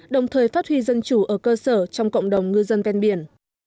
đồng thời phát huy dân chủ ở cơ sở trong cộng đồng ngư dân ven biển